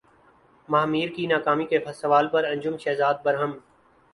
ماہ میر کی ناکامی کے سوال پر انجم شہزاد برہم